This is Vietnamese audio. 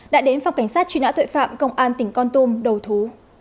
đã đến phòng cảnh sát truy nã tội phạm công an tỉnh con tum đầu thú